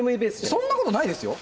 そんなことないですよ。